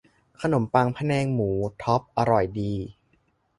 ขนมปังพะแนงหมู ท็อปส์ อร่อยดี